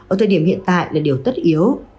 ở thời điểm hiện tại là điều tất yếu